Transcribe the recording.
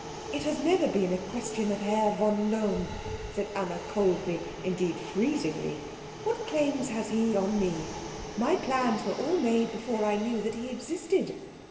"It has never been a question of Herr von Lohm," said Anna coldly, indeed freezingly. "What claims has he on me? My plans were all made before I knew that he existed."